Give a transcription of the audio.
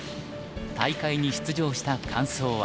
大会に出場した感想は。